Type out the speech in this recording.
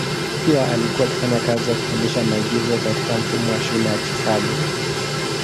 Pia alikuwa akifanya kazi ya kufundisha maigizo katika mfumo wa shule ya Chicago.